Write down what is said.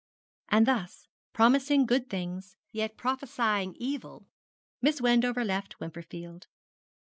And thus, promising good things, yet prophesying evil, Miss Wendover left Wimperfield.